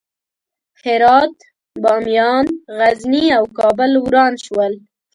هرات، بامیان، غزني او کابل وران شول.